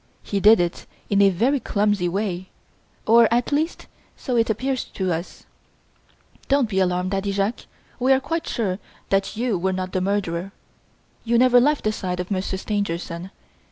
He did it in a very clumsy way or, at least, so it appears to us. Don't be alarmed, Daddy Jacques; we are quite sure that you were not the murderer; you never left the side of Monsieur Stangerson.